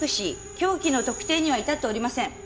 凶器の特定には至っておりません。